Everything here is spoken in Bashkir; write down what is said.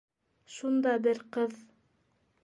Шунда бер ҡыҙ: